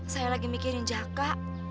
saya sedang memikirkan jaka